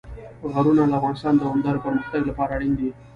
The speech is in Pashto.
غرونه د افغانستان د دوامداره پرمختګ لپاره اړین دي.